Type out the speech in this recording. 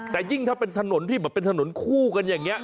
แต่ยิ่งถ้าเป็นถนนที่แบบเป็นถนนคู่กันอย่างนี้